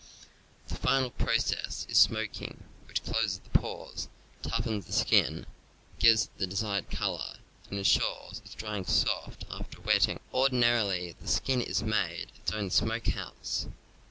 The final process is smoking, which closes the pores, toughens the skin, gives it the desired color, and insures g ,., its drying soft after a wetting. Ordi „,. narily the skin is made its own smoke house.